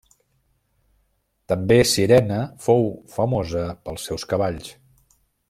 També Cirene fou famosa pels seus cavalls.